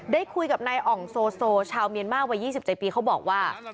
ได้คุยกับนายอ่องโซโซชาวเมียนมารวัยยี่สิบใจปีเขาบอกว่า